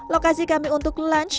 lokasi kami untuk lunch